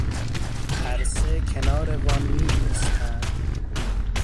هر سه کنار وان میایستند